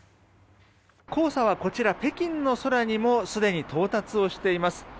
黄砂はこちら北京の空にもすでに到達をしています。